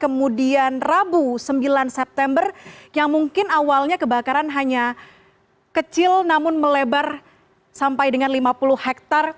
kemudian rabu sembilan september yang mungkin awalnya kebakaran hanya kecil namun melebar sampai dengan lima puluh hektare